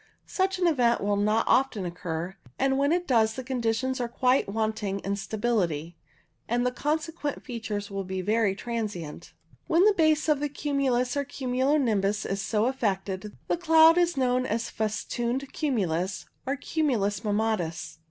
Such an event will not often occur, and when it does the conditions are quite wanting in stability, and the consequent features will be very transient. When the base of a cumulus or cumulo nimbus is so affected, the cloud is known as festooned cumulus, or cumulus mammatus.